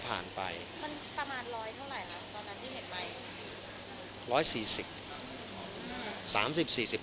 โปรชีบสี่บ๑๙๘๕